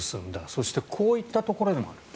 そしてこういったところもある。